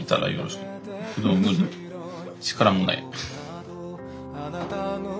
力もない。